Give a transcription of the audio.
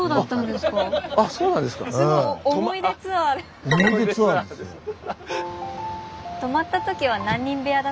すごい思い出ツアーだ。